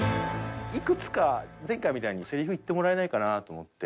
いくつか前回みたいにせりふ言ってもらえないかなと思って。